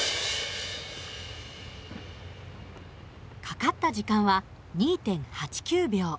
かかった時間は２．８９秒。